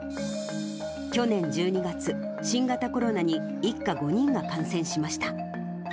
去年１２月、新型コロナに、一家５人が感染しました。